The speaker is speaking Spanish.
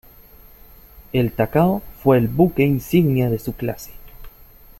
El "Takao" fue el buque insignia de su clase.